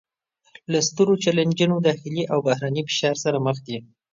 له سترو چلینجونو داخلي او بهرني فشار سره مخ دي